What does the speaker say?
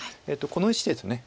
この石です。